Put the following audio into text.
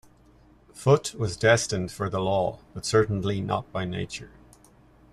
Foote was destined for the law, but certainly not by nature.